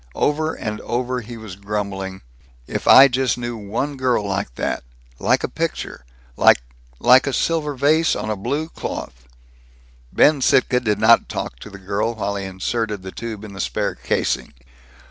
Over and over he was grumbling, "If I just knew one girl like that Like a picture. Like like a silver vase on a blue cloth!" Ben Sittka did not talk to the girl while he inserted the tube in the spare casing.